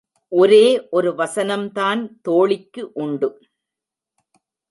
ஒரே ஒரு வசனம்தான் தோழிக்கு உண்டு.